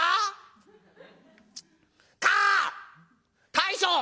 大将！